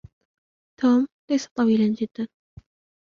توم ليس طويلاً جداً.